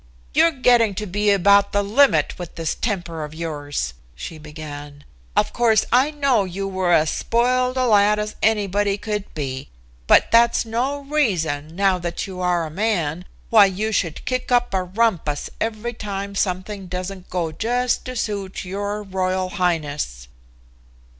"You're getting to be about the limit with this temper of yours," she began. "Of course I know you were as spoiled a lad as anybody could be, but that's no reason now that you are a man why you should kick up a rumpus any time something doesn't go just to suit your royal highness."